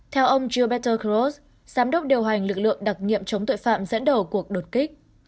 theo ông jobeter croz giám đốc điều hành lực lượng đặc nhiệm chống tội phạm dẫn đầu cuộc đột kích